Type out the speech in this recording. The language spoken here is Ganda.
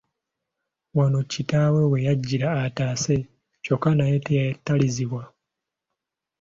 Wano kitaabwe we yajjira ataase kyokka naye teyatalizibwa.